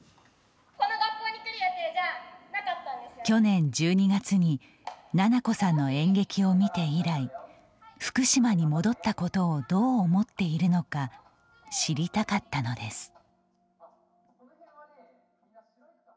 去年１２月に菜々子さんの演劇を見て以来福島に戻ったことをどう思っているのか知りたかったのです。